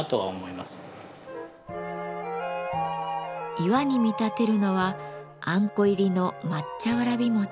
岩に見立てるのはあんこ入りの抹茶わらびもち。